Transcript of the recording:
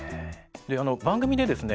番組でですね